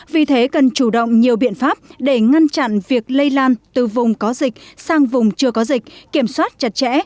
vì thế cần chủ động nhiều biện pháp để ngăn chặn việc lây lan từ vùng có dịch sang vùng chưa có dịch kiểm soát chặt chẽ